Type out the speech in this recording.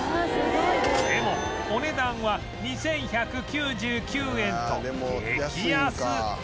でもお値段は２１９９円と激安